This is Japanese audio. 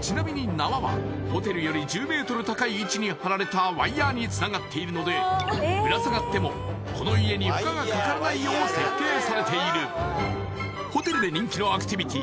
ちなみに縄はホテルより１０ｍ高い位置に張られたワイヤーにつながっているのでぶら下がってもこの家に負荷がかからないよう設計されているホテルで人気のアクティビティー